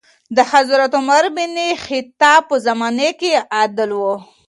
د حضرت عمر بن خطاب په زمانې کي عدل و.